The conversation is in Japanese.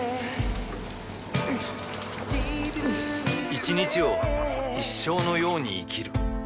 一日を一生のように生きる